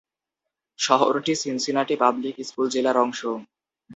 শহরটি Cincinnati public school জেলার অংশ।